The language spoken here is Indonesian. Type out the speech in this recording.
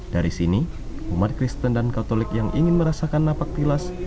dari sini umat kristen dan katolik yang ingin merasakan napak tilas